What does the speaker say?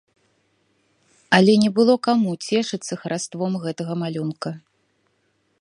Але не было каму цешыцца хараством гэтага малюнка.